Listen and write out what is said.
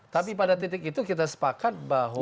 tapi pada titik itu kita sepakat bahwa